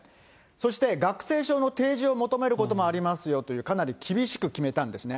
そして学生証の提示を求めることもありますよという、かなり厳しく決めたんですね。